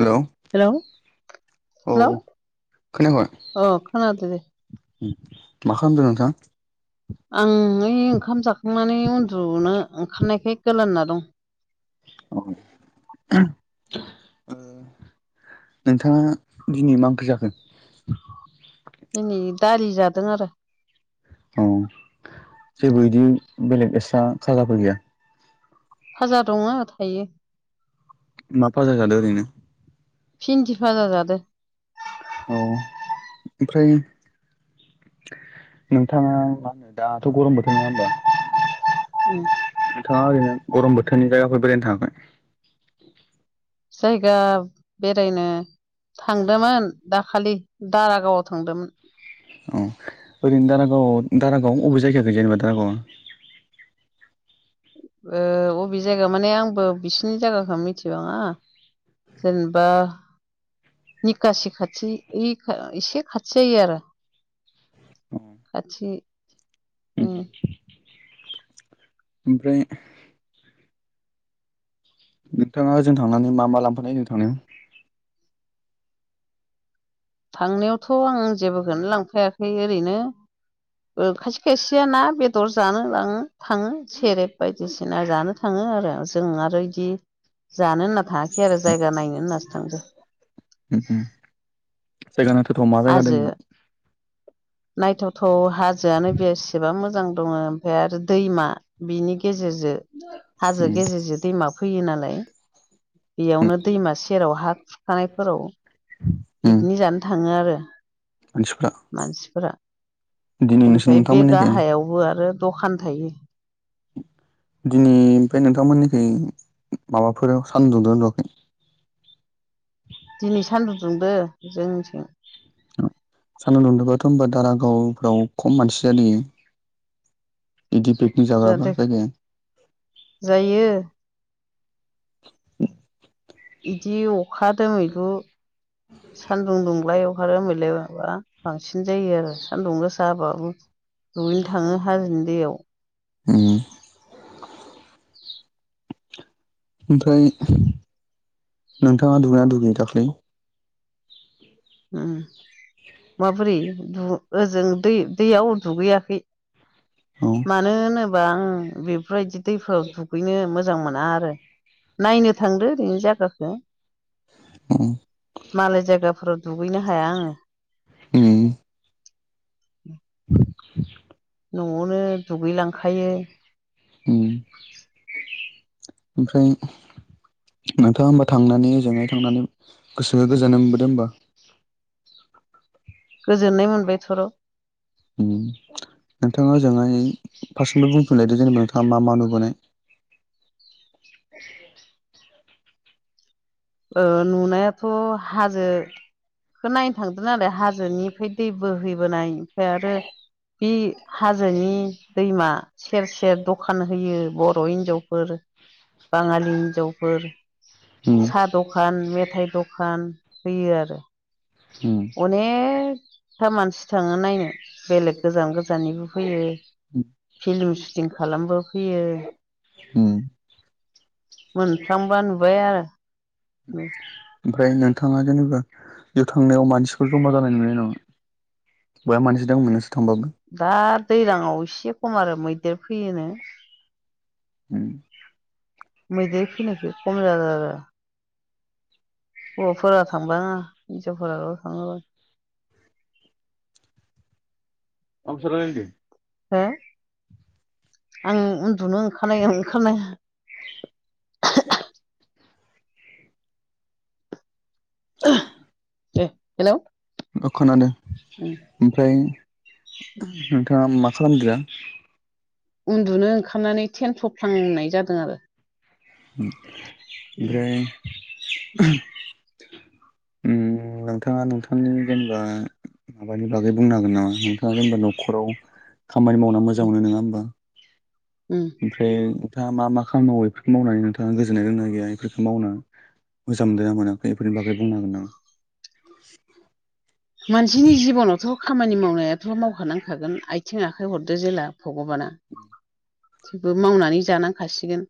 Hello hello औ hello खोनायाखै अ खोनादों दे मा खालामदों नोंथां? उमलै ओंखाम जाखांनानै उन्दुनो ओंखारनायखाय गोलांना दं। औ। नोंथाङा दिनै मा ओंख्रि जाखो? दिनै दालि जादों आरो। औ जेबो बिदि, बेलेग एस्रा खाजाफोर गैया? फाजा दङ थायो। मा फाजा जादों ओरैनो? फिन्दि फाजा जादों। औ ओमफ्राय नोंथाङा मा होनो दाथ' गरम बोथोर नङा होनोमबा उम नोंथाङा ओरैनो गरम बोथोरनि जायगाफोर बेरायनो थांङाखै? जायगा बेरायनो थांदोंमोन दाखालि दारागावआव थांदोंमोन। अ ओरैनो दारागाव दारागाव अबे जायगााख जेनेबा दारागावआ? अबे जायगा माने आंबो बिसिनि जायगाखौ मिथिबाङा। जेनेबा निखासि खाथि इ एसे खाथि जायो आरो। खाथि। उम ओमफ्राय नोंथाङा होदों थांनानै मा मा लांफानाय होजों थांनायाव। थांनायावथ' आं जेबोखौनो लांफायाखै ओरैनो ओ खायसे खायसेयाना बे क्टर जानो लाङो थाङो सेरेब बायदिसिना जानो थाङो आरो जों आरो बिदि जानो होनना थाङाखै आरो जायगा नायनो होननासो थांदो। उम उम जायगा नायथावथाव मा जायगा दों इयाव? नायथावथ' हाजोआनो बेसेबा मोजां दङ ओमफफ्राय आरो दैमा बिनि गेजेरजों हाजो उम गेजेरजों दैमा फैयो नालाय। बेयावनो दैमा सेराव हा खुरखानायफोराव पिकनिक जानो थांङो आरो मानसिफ्रा मानसिफोरा। दिनै नोंसोर ओमफ्राय बे नोंथांमोननिखै गाहायावबो आरो दखान थायो। दिनै ओमफ्राय नोंथांमोननिखै माबाफोर सानदुं दुंदोंना दुङाखै? दिनै सान्दुं दुंदों जोंथिं। नामा? सानदुं बुंदोंब्लाबाथ' ओमबा दारागावफ्राव खम मानसि जादों बियो? बिदि पिकनिक जादो जाग्राफोर फैदों? जायो। बिदि अखा दोमैलु सान्दुं दुंलाय अखा दोमैलाय माबा बांसिन जायो आरो सान्दुं गोसाबाबो जयैनो थाङो हाजोनि दैयाव। उम ओमफ्राय नोंथाङा दुगैनाया दुगैया दाख्लै? उम माबोरै दु ओजों दै दैयाव दुगैयाखै। औ मानो होनोबा ओं बेफोरबायदि दैफोराव दु गैनो मोजां मोना आरो नायनो थांदो ओरैनो जायगाखो। उम मालाय जायगाफोराव दुगैनो हाया आङो। उम न'आवनो दुगैलांखायो। उम ओमफ्राय नोंथाङा होमबा थांनानै ओजों थांनानै गोसोखौ गोजोननाय मोनबोदों होमबा? गोजोननाय मोनबाय थर' उम नोंथाङा ओजोंहाय फा‌सर्ट बुंफिनलायदो जेनेबा नोंथाङा मा नुबोनाय? एे [inaudible] नुनायाथ' हाजो खो नायनो थांदों नालाय हाजोनिफ्राय दै बोहैबोनाय ओमफ्राय आरो इ हाजोनि दैमा सेर सेर दखान होयो बर' हिन्जावफोर बाङालि हिनजावफोर। उम दखान उम अनेक था मानसि थांङो नायनो बेलेग गोजान गोजाननिबो फैयो। फिल्मि सुटिं खालामनोबो फैयो उम मोनफ्लांबा नुबाय आरो। [unintelligible] ओमफ्राय नोंथाङा जेनेबा बेव थांनायाव मानसिफोर जमा जानाय नुनाय नमा? हौवायाबो मानजिदों मोना नासो थांबावो। दा दैज्लांआव एसे खम आरो मैदेर फैयोनो। उम। मैदेर फैनायखो खम [unintelligible] हौवाफोरा थांबाङा हिनजावफोराल' थाङो। फ'न‌‌सो रायलायदों। फ्राय आं उन्दुनो ओंखारनाय ओंखारनाय [unintelligible] दे हेल' अह खोनादों ओमफ्राय नोंथाङा मा खालामदो? उन्दुनो ओंखारनानै थेन थफ्लांनाय जादों आरो। उम, ओमफ्राय [inaudible] ओं नोंथाङा नोंथांनि जेनेबा माबानि बागै बुंनो हागोन नामा नोंथाङा जेनेबा न'खराव खामानि मावना मोजां उम, मोनो नङा होमबा? उम। ओमफ्राय नोंथाङा मा मा खामानि मावो बेफोरखौ मावनानै नोंथाङा गोजोननाय दंना गैया बेफोरखौ मावना? मोजां मोनदोंना मोनाखै बेफोरनि बागै बुंनो हागोन नामा? मानसिनि जिब'नावथ'। खामानि मावनायाथ' मावखानांखागोन आथिं आखाइ हरदो जेला भगबाना थेवबो मावनानै जानांखासिगोन।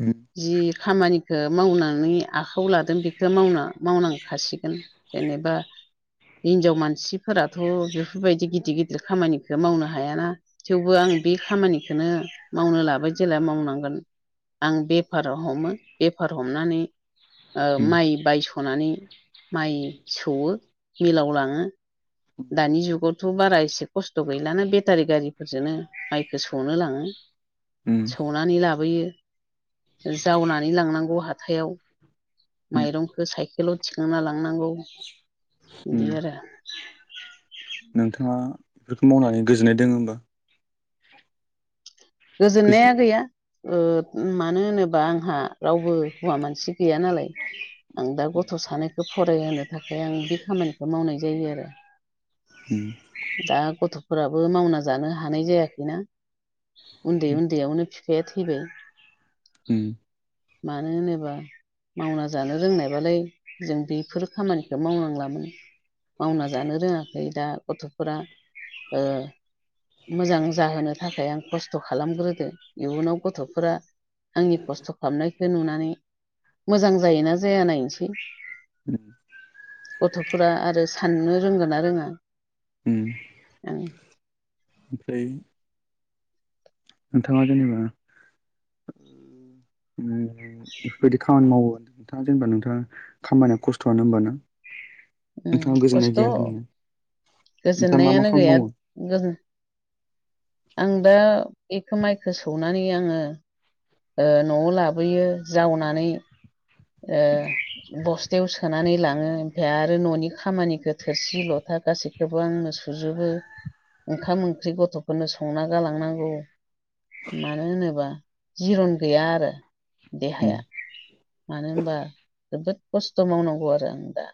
होम जि खामानिखौ मावनानै आखायाव लादों बेखौ मावना मावनांखासिगोन। जेनेबा हिनजाव मानसिफोराथ' बेफोरबायदि गिदिर गिदिर खामानिखौ। बे मावनो हायाना थेवबो आं बे खामानिखौनो मावनो लाबाय जेला मावनांगोन। आं बेफाराव हमो बेफार हमनानै। उम माइ बायस'नानै माइ सौवो मिलाव लाङो दानि जुगावथ' बारा एसे खस्थ' गैलाना बेटारि गारिफोरजोंनो माइखौ सौनो लाङो। उम सौनानै लाबोयो। जावनानै लांनांगौ हाथायाव उम माइरंखौ साइकेलाव। थिखांना लांनांगौ उम बिदि आरो। नोंथाङा बेफोरखौ मावनानै गोजोननाय दङ होमबा। गोजोन गोजोननाया गैया मानो होनोबा आंहा। रावबो हौवा मानसि गैया नालाय। आं दा गथ' सानैखौ फरायहोनो थाखाय आं बे खामानिखौ मावनाय जायो आरो। उम दा गथ'फोराबो मावना जानो हानाय जायाखैना। उन्दै उन्दैआवनो फिफाया थैबाय उम। मानो होनोबा मावना जानो रोंनायबालाय जों बेफोर खामानिखौ मावनांलामोन मावना जानो रोङाखै दा गथ'फोरा मोजां जाहोनो थाखाय आं खस्थ' खालामग्रो इयुनाव गथ'फोरा आंनि खस्थ' खालामनायखौ नुनानै मोजां जायोना। जाया नायनोसै उम गथ'फोरा आरो साननो रोंगोन ना रोङा। उम ओमफ्राय। नोंथांङा जेनेबा। बेफोरबायदि खामानि मावो नोंथाङा जेनेबा नोंथाङा खामानिया खस्थ'आनो होमबा ना? उम नोंथांङा गोजोननाय खस्थ' गैया होनदोंना नोंथाङा मा मा खामानि मावो। गोदो आं दा बेखौ माइखौ सौनानै आंङो। न'आव लाबोयो जावनानै बस्थायाव सोनानै लांङो। ओमफ्राय आरो न'नि खामानिखौ थोरसि लथा गासैखौबो आंनो सुजोबो। ओंखाम ओंख्रि गथ'फोरनो संना गालांनांगौ मानो होनोब्ला। जिरन गैया आरो उम देहाया। मानो होनबा जोबोद खस्थ' मावनांगौ आरो आं दा।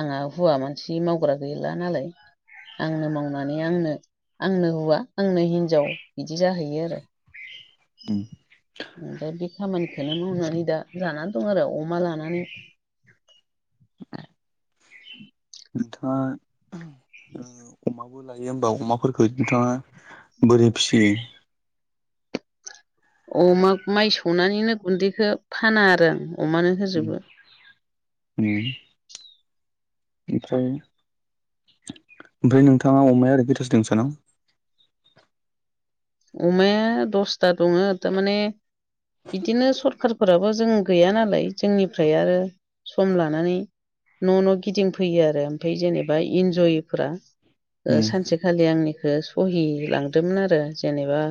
आंहा हौवा मानसि मावग्रा गैला नालाय। आंनो मावनानै आंनो आंनो हौवा। आंनो हिनजाव बिदि जाहैयो आरो उम ओ दा बे खामानिखौ। बेखौनो मावनानै दा जानानै दं आरो अमा लानानै [inaudible] [inaudible] नोंथाङा अमाबो लायो होमबा अमाफोरखौ नोंथाङा। बोरै फिसियो? अमा माइ सौनानैनो गुन्दैखौ फाना आरो आं अमानो। होजोबो ओमफ्राय ओमफ्राय नोंथाङा अमाया ओरैनो खैथासो दं नोंसाना। अमाया दसथा दङ थारमाने बिदिनो सरखारफोराबो जों गैया नालाय जोंनिफ्राय आरो सम लानानै न' न' गिदिंफैयो आरो ओमफ्राय जेनेबा इन्जयफोरा ओ उम सानसेखालि आंनिखौ सहि लांदोमोन आरो जेनेबा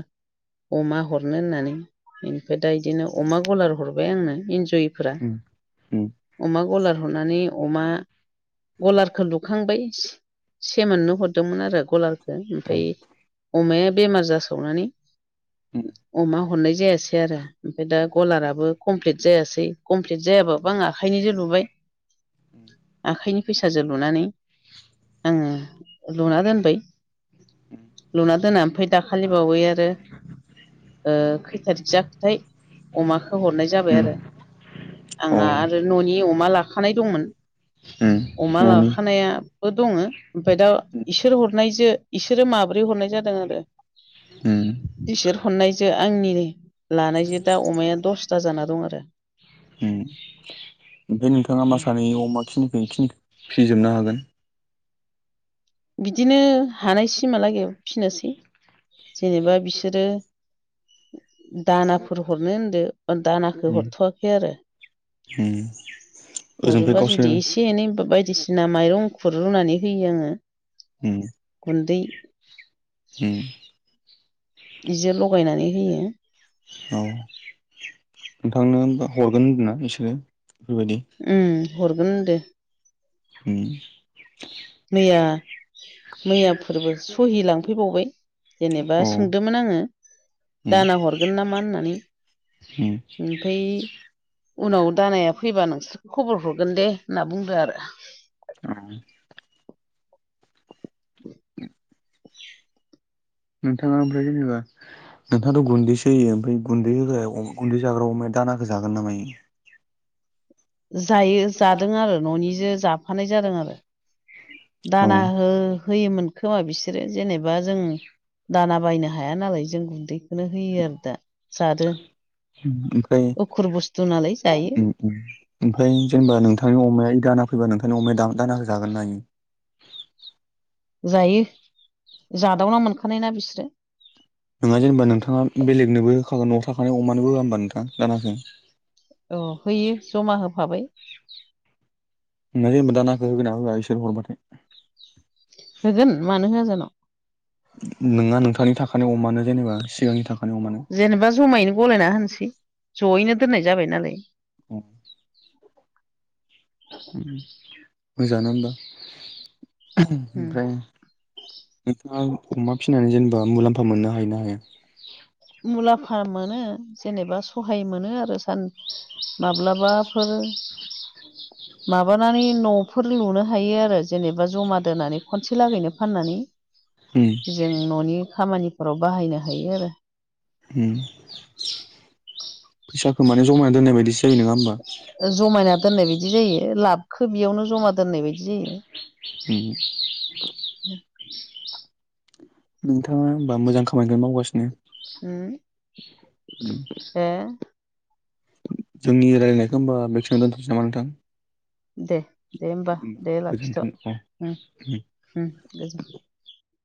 अमा हरनो होननानै बेनिफ्राय दा इदिनो अमा गलार हरबाय आंनो इन्जय उम उम अमा गलार हरनानै अमा गलारखो लुखांबाय सेमोननो हरदोंमोन आरो गलार खो औ ओमफ्राय अमाया बेमार जासावनानै उम अमा हरनाय जायासै आरो। ओमफ्राय दा गलाराबो कमप्लिट जायासै कमप्लिट जायाबाबो आं आखाइनिजो लुबाय। आखाइनि फैसाजो लुनानै आङो लुना दोनबाय। लुना दोनना ओमफाय दाखालिबावै आरो ओ खै थारिग जाखोथाय अमाखौ हरनाय जाबाय उम आरो। औ आंहा आरो न'नि अमा लाखानाय दंमोन उम अमा न'नि लाखानाया बो दङो ओमफ्राय दा इसोर हरनायजो इसोरो माब्रै हरनाय जादों आरो। उम। इसोर हरनायजो आंनि लानायजो दा अमाया दसथा जाना दं आरो। उम ओमफ्राय नोंथाङा मा सानो अमा खिनिखो इखिनिखो फिजोबनो हागोन? बिदिनो हानाय सिमालागै फिनोसै जेनेबा बिसोरो दानाफोर हरनो होनदो दानाखौ उम हरथ'वाखै आरो। उम ओजोंनिफ्राय हरोबा गावसोर जुदि इ से एनै बायदिसिना माइरं एंखुर रुनानै होयो आङो। उम गुन्दै उम। बिजो लगायनानै होयो। औ नोंथांनो होनबा हरगोन होनदों ना बिसोरो बेफोरबायदि? उम हरगोन होनदो। उम। मैया मैया फोरबो सहि लांफैबावबाय जेनेबा औ सोंदोमोन आङो दाना हरगोन नामा होननानै। उम। ओमफ्राय उनाव दानाया फैबा नोंसोरखौ खबर हरगोन दे होनना बुंदो आरो। उम। [unintelligible] नोंथाङा ओमफ्राय जेनेबा नोंथाङाथ' गुन्दैसो होयो ओमफाय गुन्दै होग्रा गुन्दै जाग्रा अमाया दानाखौ जागोन नामा इयो? जायो जादों आरो न'निजो जाफानाय जादों आरो। औ दाना हो-होयोमोन। खोमा बिसोरो जेनेबा जों दाना बायनो हाया नालाय जों गुन्दै बेखौनो होयो आरो दा जादो उखुर बुस्थु नालाय जायो। ओमफाय जेनेबा नोंथांनि अमाया दाना फैबा नोंथांनि अमाया दा-दानाखो जागोन ना इयो? जायो जादावना मोनखानाय ना बिसोरो। नोङा जेनेबा नोंथाङा बेलेगनोबो होखागोन न'आव थाखानाय अमानो होआ होनबा नोंथां दानाखो? औ होयो जमा होफाबाय। नोङा जेनबा दानाखो होगोनना होआ इसोर हरबाथाय? होगोन मानो होआ जान'। नोङा नोंथांनि थाखानाय अमानो जेनेबा सिगांनि थाखानि अमानो। दा जमायैनो गलायना होनोसै। जयैनो दोननाय जाबाय नालाय। अ। मोजाङानो होमबा उम ओमफ्राय नोंथाङा अमा फिसिनानै जेनेबा मुलाम्फा मोननो हायो ना हाया? मुलाम्फा मोनो जेनेबा सहाय मोनो आरो [unintelligible] माब्लाबाफोर माबानानै [unintelligible] न'फोर लुनो हायो आरो जेनेबा जमा दोनानै खनसे लागैनो फाननानै। उम। जों न'नि खामानिफोराव बाहायनो हायो आरो। ओ फैसाखौ माने जमायना दोननाय बायदिसो जायो नङा होमबा? जमायना दोननाय बायदि जायो। लाबखो बेयावनो जमा दोननाय बायदि जायो। [unintelligible] नोंथाङा होमबा मोजां खामानिखौनो उम मावगासिनो। ए [unintelligible] जोंनि रायलायनायखौ होमबा बेखिनियावनो दोनथ'सै नामा नोंथां? दे दे होमबा दे लाखिथ' गोजोन्थों अ गोजोनथों।